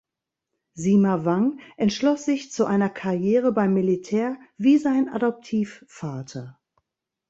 Sima Wang entschloss sich zu einer Karriere beim Militär, wie sein Adoptivvater.